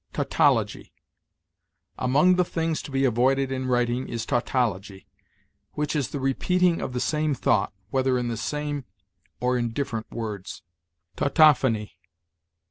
TAUTOLOGY. Among the things to be avoided in writing is tautology, which is the repeating of the same thought, whether in the same or in different words. TAUTOPHONY.